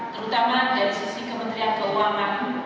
terutama dari sisi kementerian keuangan